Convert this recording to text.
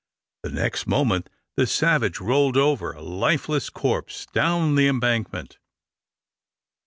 The next moment the savage rolled over, a lifeless corpse, down the embankment.